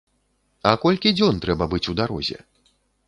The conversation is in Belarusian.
А колькі дзён трэба быць у дарозе?